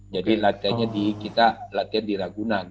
jadi latihannya di kita latihan di ragunan